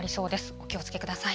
お気をつけください。